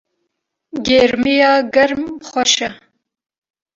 gêrmiya germ xweş e